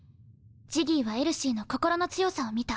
ジギーはエルシーの心の強さを視た。